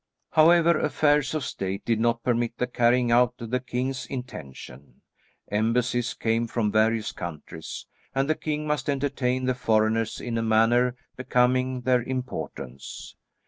However, affairs of state did not permit the carrying out of the king's intention. Embassies came from various countries, and the king must entertain the foreigners in a manner becoming their importance.